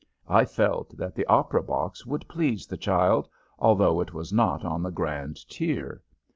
I felt that the opera box would please the child, although it was not on the grand tier.